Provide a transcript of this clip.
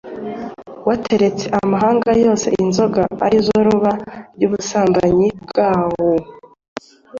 wateretse amahanga yose inzoga arizo ruba ry'ubusambanyi bwawo